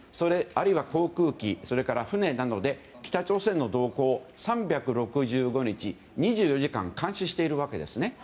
あるいは航空機それから船などで北朝鮮の動向を３６５日２４時間監視しているわけですね。